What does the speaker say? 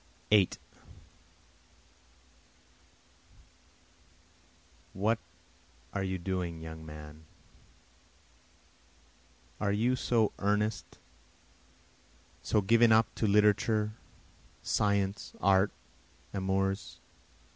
8 What are you doing young man? Are you so earnest, so given up to literature, science, art, amours?